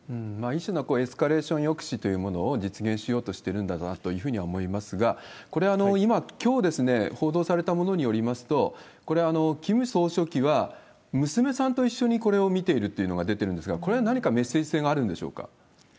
一種のエスカレーション抑止というものを実現しようとしてるんだなというふうには思いますが、これは今、きょう、報道されたものによりますと、これ、キム総書記は、娘さんと一緒にこれを見ているというのが出てるんですが、これは何かメッセージ性はあるんでしょうか。